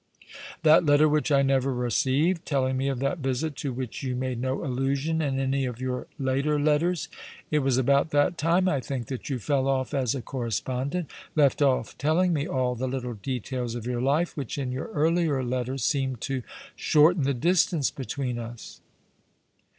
"That letter which I never received — telling me of that visit to which you made no allusion in any of your later letters. It was about that time, I think, that you fell off as a correspondent — left off telling me all the little details of your life — which in your earlier letters seemed to shorten the distance between us."